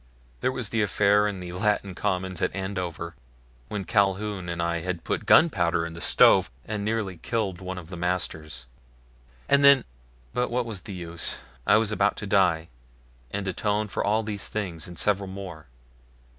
There was the affair in the Latin Commons at Andover when Calhoun and I had put gunpowder in the stove and nearly killed one of the masters. And then but what was the use, I was about to die and atone for all these things and several more.